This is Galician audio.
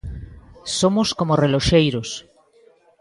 Somos como reloxeiros.